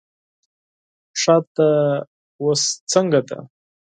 پښه دې اوس څنګه ده؟